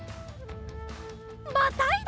またいだ！